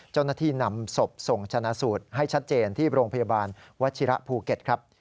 เจ้าหน้าที่นำศพส่งชนะสูตรให้ชัดเจนที่โรงพยาบาลวัชิระภูเก็ตครับ